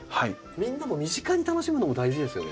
みんなも身近に楽しむのも大事ですよね。